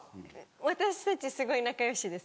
私たちすごい仲よしです。